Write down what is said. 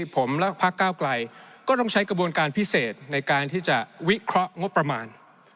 ผมและพักก้าวไกลก็ต้องใช้กระบวนการพิเศษในการที่จะวิเคราะห์งบประมาณ